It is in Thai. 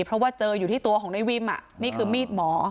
เพราะว่าเจออยู่ที่ตัวของนายวิมนี่คือมีดหมอ